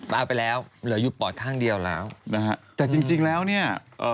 เอาไปแล้วเหลืออยู่ปอดข้างเดียวแล้วนะฮะแต่จริงจริงแล้วเนี่ยเอ่อ